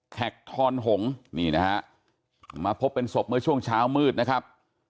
แขกทอนหงนี่นะฮะมาพบเป็นศพเมื่อช่วงเช้ามืดนะครับ